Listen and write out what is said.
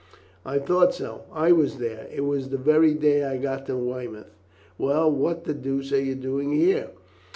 "I thought so; I was there. It was the very day I got to Weymouth. Well, what the deuce are you doing here?